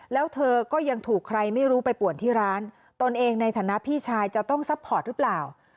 แล้วเธอก็ยังถูกใครไม่รู้ไปป่วนที่ร้านตนเองในฐานะพี่ชายจะต้องซัพพอร์ตหรือเปล่า